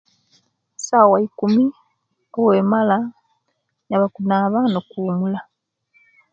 Sawa ikumi obwemala nga njaba kunaba nokuumula